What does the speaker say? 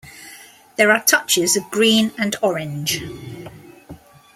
There are touches of green and orange.